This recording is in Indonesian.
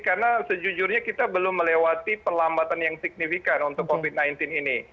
karena sejujurnya kita belum melewati perlambatan yang signifikan untuk covid sembilan belas ini